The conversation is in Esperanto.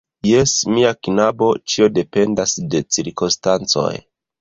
Jes, mia knabo; ĉio dependas de cirkonstancoj.